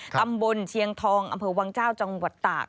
ตำบลเชียงทองอำเภอวังเจ้าจังหวัดตาก